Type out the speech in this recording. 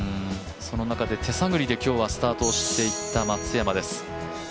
その中で手探りでスタートしていった松山です。